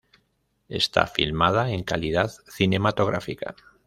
Está filmada en calidad cinematográfica.